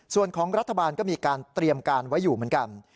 ส่วนของรัฐบาลก็มีการเตรียมการไว้อยู่เหมือนกัน